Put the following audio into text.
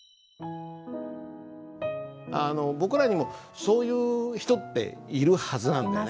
僕らにもそういう人っているはずなのね。